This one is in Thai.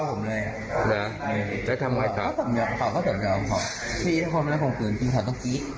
ห่วงคือกล่ออยู่บ้าง